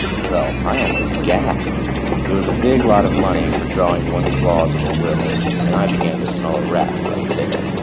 Well, I almost gasped. It was a big lot of money for drawing one clause of a will, and I began to smell a rat right there.